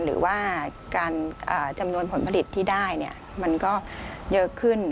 หรือว่าจำนวนผลผลิตที่ได้มันก็เยอะขึ้น